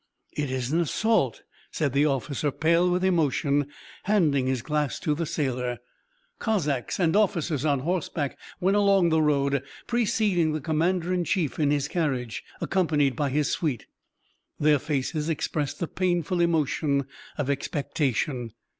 "'It is an assault,' said the officer, pale with emotion, handing his glass to the sailor. "Cossacks and officers on horseback went along the road, preceding the commander in chief in his carriage, accompanied by his suite. Their faces expressed the painful emotion of expectation.